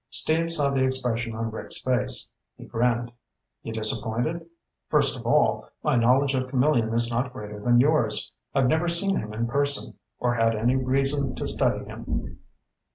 Steve saw the expression on Rick's face. He grinned. "You disappointed? First of all, my knowledge of Camillion is not greater than yours. I've never seen him in person, or had any reason to study him.